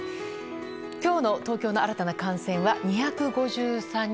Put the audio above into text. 今日の東京の新たな感染は２５３人。